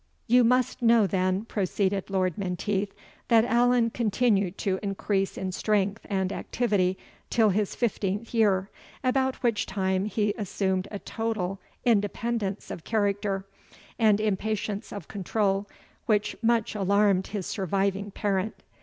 "You must know, then," proceeded Lord Menteith, "that Allan continued to increase in strength and activity, till his fifteenth year, about which time he assumed a total independence of character, and impatience of control, which much alarmed his surviving parent.